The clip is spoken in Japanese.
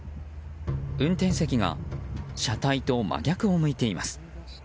運転席が車体と真逆を向いています。